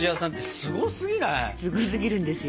すごすぎるんですよ。